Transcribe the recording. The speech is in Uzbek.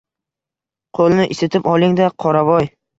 Qo‘lni isitib oling-da, qoravoy!